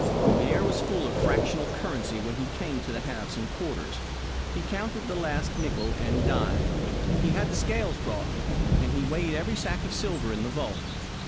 The air was full of fractional currency when he came to the halves and quarters. He counted the last nickle and dime. He had the scales brought, and he weighed every sack of silver in the vault.